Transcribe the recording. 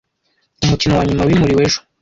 Umukino wanyuma wimuriwe ejo.